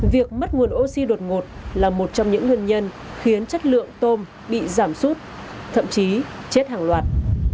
việc mất nguồn oxy đột ngột là một trong những nguyên nhân khiến chất lượng tôm bị giảm sút thậm chí chết hàng loạt